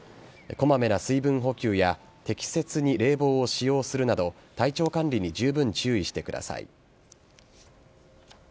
こまめな水分補給や適切に冷房を使用するなど体調管理にじゅうぶん注意してください。